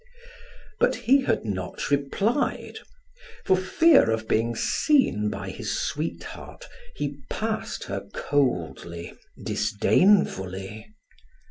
But he had not replied; for fear of being seen by his sweetheart he passed her coldly, disdainfully.